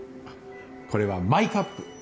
あっこれはマイカップ。